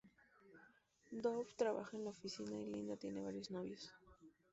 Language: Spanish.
Dave trabaja en una oficina y Linda tiene varios novios.